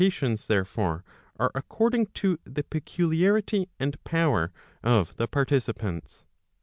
tions therefore, are according to the peculiarity and power of the participants.